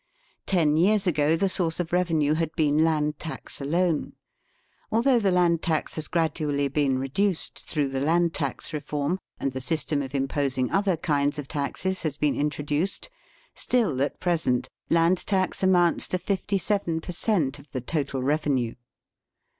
Ten years ago the source of revenue had been land tax alone. Although the land tax has gradually been reduced through the land tax reform, and the system of imposing other kinds of taxes has been introduced, still at present land tax amounts to ^^ of the total revenue.